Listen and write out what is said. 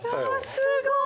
すごーい！